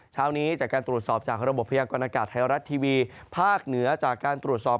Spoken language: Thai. เช้านี้จากการตรวจสอบจากระบบพยากรณากาศไทยรัฐทีวีภาคเหนือจากการตรวจสอบ